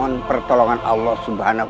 danamen dengan arguing